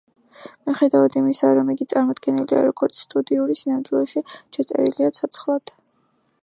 მიუხედავად იმისა, რომ იგი წარმოდგენილია, როგორც სტუდიური, სინამდვილეში ჩაწერილია ცოცხლად.